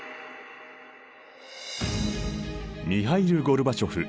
ミハイル・ゴルバチョフ。